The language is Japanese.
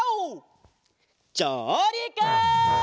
じょうりく！